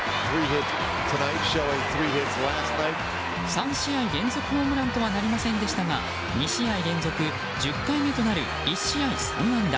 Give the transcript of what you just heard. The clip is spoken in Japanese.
３試合連続ホームランとはなりませんでしたが２試合連続１０回目となる１試合３安打。